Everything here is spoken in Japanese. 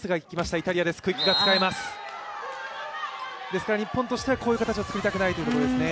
ですから日本としてはこういう形をつくりたくないということですね。